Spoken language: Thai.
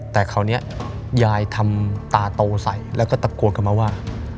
แต่คราวนี้ยายทำตาโตใส่แล้วก็ตะโกนกลับมาว่า